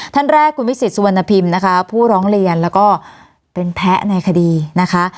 ท่านแรกคุณวิสิตสุวรรณพิมพ์นะคะผู้ร้องเรียนแล้วก็เป็นแพ้ในคดีนะคะ